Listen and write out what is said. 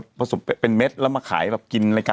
มีสารตั้งต้นเนี่ยคือยาเคเนี่ยใช่ไหมคะ